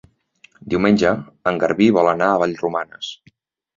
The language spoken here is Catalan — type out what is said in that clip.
Diumenge en Garbí vol anar a Vallromanes.